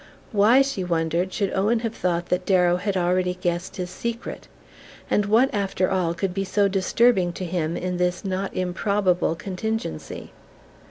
Why, she wondered, should Owen have thought that Darrow had already guessed his secret, and what, after all, could be so disturbing to him in this not improbable contingency?